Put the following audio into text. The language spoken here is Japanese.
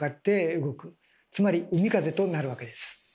つまり「海風」となるわけです。